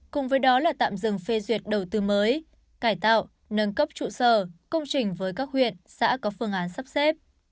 cùng với đó là tạm dừng phê duyệt đầu tư mới cải tạo nâng cấp trụ sở công trình với các huyện xã có phương án sắp xếp